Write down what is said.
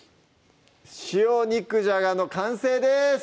「塩肉じゃが」の完成です